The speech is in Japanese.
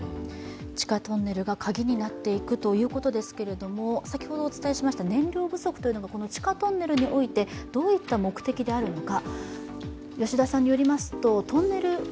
地下トンネルがカギになっていくということですけれど、燃料不足というのが地下トンネルにおいてどういった目的であるのか。